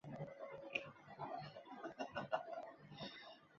加里宁是吉尔吉斯斯坦楚河州加依勒区下辖的一个村。